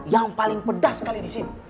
yang paling pedas kali disini